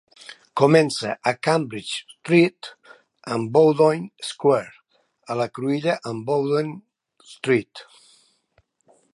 Comença a Cambridge Street amb Bowdoin Square, a la cruïlla amb Bowdoin Street.